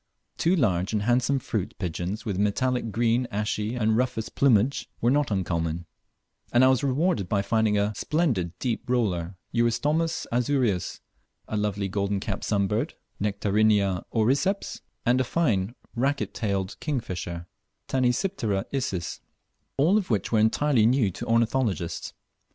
Two large and handsome fruit pigeons, with metallic green, ashy, and rufous plumage, were not uncommon; and I was rewarded by finding a splendid deep blue roller (Eurystomus azureus); a lovely golden capped sunbird (Nectarinea auriceps), and a fine racquet tailed kingfisher (Tanysiptera isis), all of which were entirely new to ornithologists.